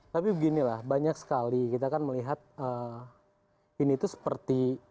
tapi beginilah banyak sekali kita kan melihat ini tuh seperti